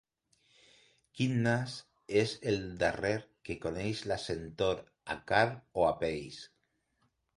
Quin nas és el darrer que coneix la sentor a carn o a peix?